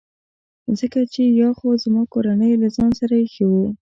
ځکه چي یا خو زما کورنۍ له ځان سره ایښي وو.